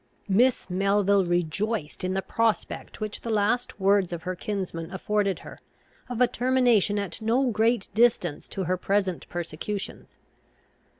Miss Melville rejoiced in the prospect, which the last words of her kinsman afforded her, of a termination at no great distance to her present persecutions.